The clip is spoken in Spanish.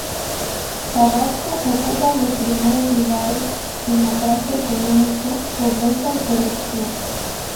Tabasco ocupa los primeros lugares en atraso económico, pobreza y corrupción.